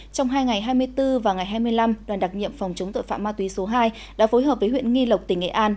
trong hai ngày hai mươi bốn và ngày hai mươi năm đoàn đặc nhiệm phòng chống tội phạm ma túy số hai đã phối hợp với huyện nghi lộc tỉnh nghệ an